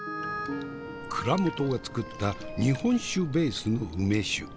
蔵元が作った日本酒ベースの梅酒。